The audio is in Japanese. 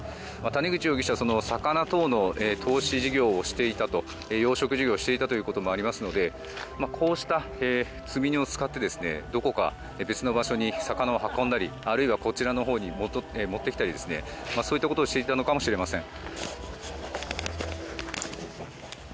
谷口容疑者その魚等の投資事業をしていたと養殖事業をしていたこともありますのでこうした積み荷を使ってどこか別の場所に魚を運んだりあるいはこちらのほうに持ってきたりそういったことをしていたのかもしれません。